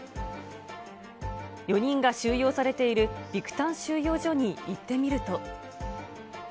４人が収容されているビクタン収容所に行ってみると。